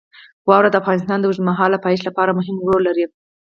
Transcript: واوره د افغانستان د اوږدمهاله پایښت لپاره مهم رول لري.